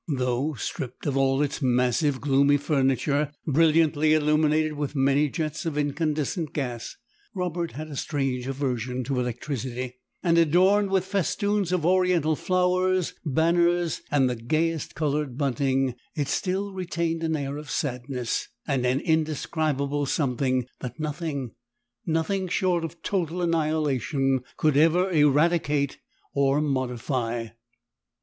Though stripped of all its massive, gloomy furniture, brilliantly illuminated with many jets of incandescent gas (Robert had a strange aversion to electricity) and adorned with festoons of Oriental flowers, banners, and the gayest coloured bunting, it still retained an air of sadness, and an indescribable something, that nothing, nothing short of total annihilation, could ever eradicate or modify.